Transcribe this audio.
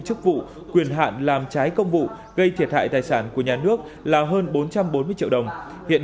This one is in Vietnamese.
chức vụ quyền hạn làm trái công vụ gây thiệt hại tài sản của nhà nước là hơn bốn trăm bốn mươi triệu đồng hiện